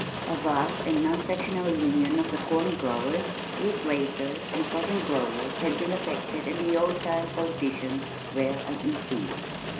A vast and non sectional union of the corn growers, wheat raisers, and cotton growers had been effected and the old time politicians were uneasy.